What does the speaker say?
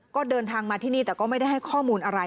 ก็เดินทางมาที่นี่แต่ก็ไม่ได้ให้ข้อมูลอะไร